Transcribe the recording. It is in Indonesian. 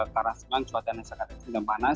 karena semang cuaca dan nasi kata itu tidak panas